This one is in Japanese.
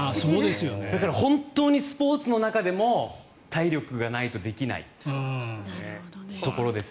だから、本当にスポーツの中でも体力がないとできないところです。